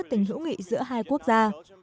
tình hữu nghị giữa hai quốc gia